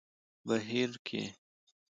بهير کې